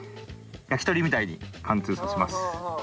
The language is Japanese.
焼き鳥みたいに貫通させます。